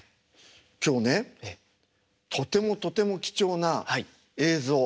今日ねとてもとても貴重な映像。